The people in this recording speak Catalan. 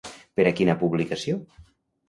Per a quina publicació?